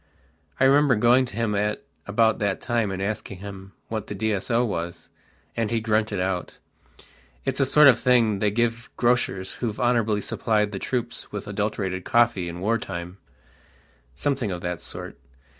I remember going to him at about that time and asking him what the D.S.O. was, and he grunted out: "It's a sort of a thing they give grocers who've honourably supplied the troops with adulterated coffee in war time"something of that sort.